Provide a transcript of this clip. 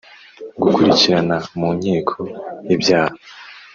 Gukurikirana mu nkiko ibyaha